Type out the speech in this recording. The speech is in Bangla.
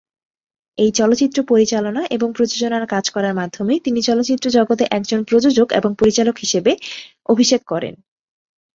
এই চলচ্চিত্র পরিচালনা এবং প্রযোজনার কাজ করার মাধ্যমে তিনি চলচ্চিত্র জগতে একজন প্রযোজক এবং পরিচালক হিসেবে অভিষেক করেন।